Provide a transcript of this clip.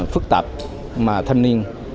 phức tạp mà thanh niên